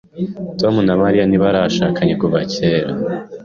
Tom na Mariya ntibarashakanye kuva kera.